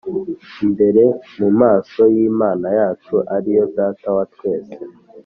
imbere mu maso yImana yacu ari yo Data wa twese